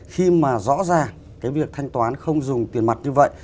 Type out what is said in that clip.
khi mà rõ ràng cái việc thanh toán không dùng tiền mặt như vậy